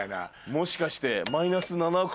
もしかして。